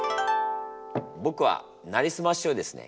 僕は「なりすまし」をですね